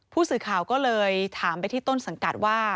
ผู้สื่อข่าวก็เลยถามไปที่ต้นสังกัดว่า